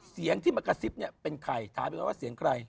เสียงที่มากระซิบเนี่ยเป็นใครถามไปก่อนว่าเสียงใคร